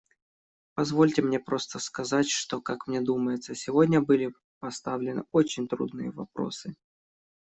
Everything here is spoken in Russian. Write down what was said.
Позвольте мне просто сказать, что, как мне думается, сегодня были поставлены очень трудные вопросы.